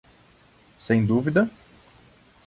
Sem dúvida?